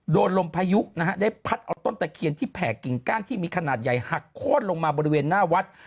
ลมพายุนะฮะได้พัดเอาต้นตะเคียนที่แผ่กิ่งก้านที่มีขนาดใหญ่หักโค้นลงมาบริเวณหน้าวัด